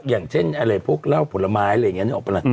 อย่างเช่นอะไรพวกเหล้าผลไม้อะไรอย่างนี้นึกออกปะล่ะ